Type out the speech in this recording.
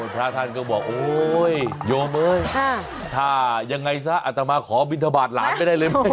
พระท่านก็บอกโอ๊ยโยมเอ้ยถ้ายังไงซะอัตมาขอบินทบาทหลานไม่ได้เลย